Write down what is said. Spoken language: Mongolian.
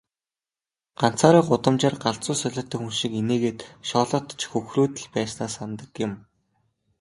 Ганцаараа гудамжаар галзуу солиотой хүн шиг инээгээд, шоолоод ч хөхрөөд л байснаа санадаг юм.